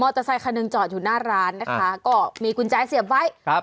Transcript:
เตอร์ไซคันหนึ่งจอดอยู่หน้าร้านนะคะก็มีกุญแจเสียบไว้ครับ